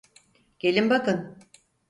Gelin bakın.